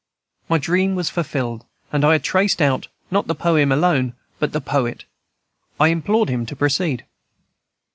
My dream was fulfilled, and I had traced out, not the poem alone, but the poet. I implored him to proceed.